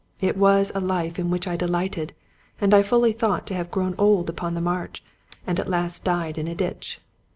It was a life in which I delighted; and I fully thought to have grown old upon the march, and at last died in a ditch.